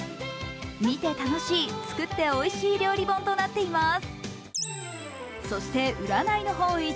見て楽しい、作っておいしい料理本となっています。